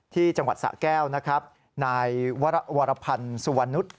ที่จังหวัดสะแก้วนายวรพันธุ์สวรรณุต